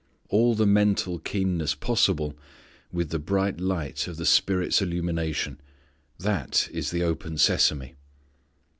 All the mental keenness possible, with the bright light of the Spirit's illumination that is the open sesame.